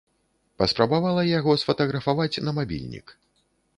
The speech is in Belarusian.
Паспрабавала яго сфатаграфаваць на мабільнік.